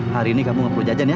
hari ini kamu nggak perlu jajan ya